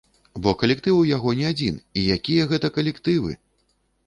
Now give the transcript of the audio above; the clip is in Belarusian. Бо калектыў у яго не адзін, і якія гэта калектывы!